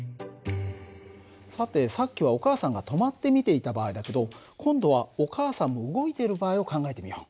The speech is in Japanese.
さてさっきはお母さんが止まって見ていた場合だけど今度はお母さんも動いている場合を考えてみよう。